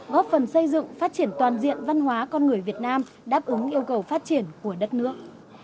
góp phần xây dựng phát triển toàn diện văn hóa con người việt nam đáp ứng yêu cầu phát triển của đất nước